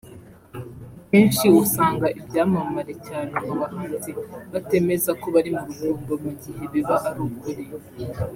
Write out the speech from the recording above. Akenshi usanga ibyamamare cyane mu bahanzi batemeza ko bari mu rukundo mu gihe biba ari ukuri